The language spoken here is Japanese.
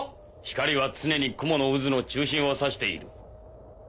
光は常に雲の渦の中心を指している。